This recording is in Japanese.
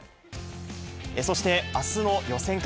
そして、あすの予選会。